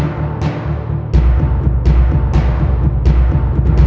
ร้องได้ร้องได้ร้องได้